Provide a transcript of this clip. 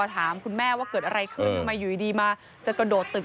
ถามคุณแม่ว่าเกิดอะไรขึ้นทำไมอยู่ดีมาจะกระโดดตึก